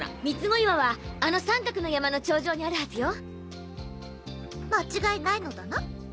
みつご岩はあの三角の山の頂上にあるはずよ間違いないのだな？